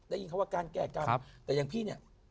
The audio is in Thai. ได้ยินเขาว่าการแก้กรรมแต่อย่างพี่เนี่ย